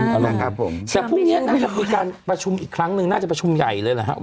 แต่พรุ่งนี้น่าจะมีการประชุมอีกครั้งนึงน่าจะประชุมใหญ่เลยนะครับ